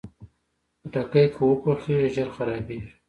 خټکی که وپوخېږي، ژر خرابېږي.